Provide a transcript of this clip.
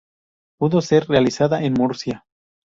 Pudo ser realizada en Murcia.